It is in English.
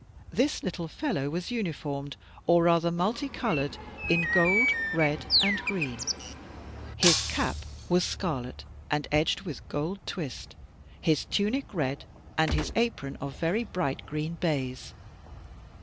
This little fellow was uniformed, or rather multi coloured, in gold, and red, and green. His cap was scarlet, and edged with gold twist; his tunic red, and his apron of very bright green baize.